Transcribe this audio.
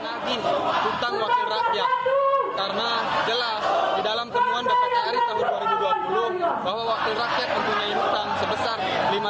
hutang wakil rakyat karena jelas di dalam temuan bpkri tahun dua ribu dua puluh bahwa wakil rakyat mempunyai hutang sebesar rp lima ratus enam puluh tiga juta